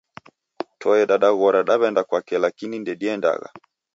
Toe dadaghora daw'enda kwake laikini ndediendagha